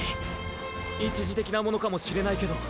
一時的なものかもしれないけど